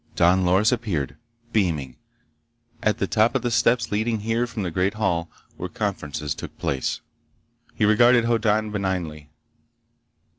Don Loris appeared, beaming, at the top of the steps leading here from the great hall where conferences took place. He regarded Hoddan benignly.